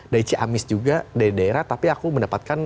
dari ciamis juga dari daerah tapi aku mendapatkan